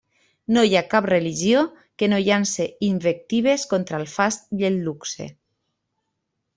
No hi ha cap religió que no llance invectives contra el fast i el luxe.